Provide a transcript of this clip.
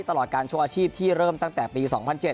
ตลอดการโชว์อาชีพที่เริ่มตั้งแต่ปี๒๐๐๗